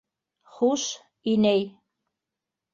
Хуш... инәй...